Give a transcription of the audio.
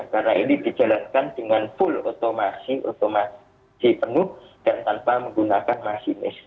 karena ini dijalankan dengan full otomasi otomasi penuh dan tanpa menggunakan masinis